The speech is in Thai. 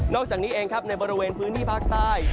อกจากนี้เองครับในบริเวณพื้นที่ภาคใต้